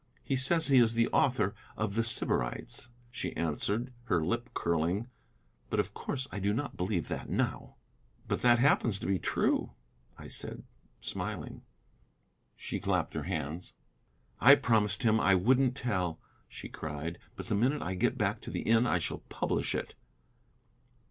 "He says he is the author of The Sybarites," she answered, her lip curling, "but of course I do not believe that, now." "But that happens to be true," I said, smiling. She clapped her hands. "I promised him I wouldn't tell," she cried, "but the minute I get back to the inn I shall publish it."